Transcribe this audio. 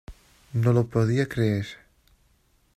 No lo podía creer.